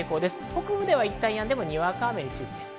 北部ではいったんやんでもにわか雨に注意です。